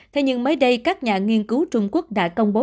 thế nhưng mới đây các nhà nghiên cứu trung quốc đã công bố